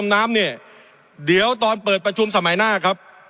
น้ำเนี่ยเดี๋ยวตอนเปิดประชุมสมัยหน้าครับ